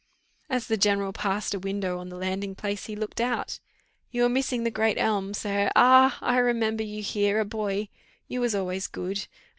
As the general passed a window on the landing place, he looked out. "You are missing the great elm, Sir. Ah! I remember you here, a boy; you was always good.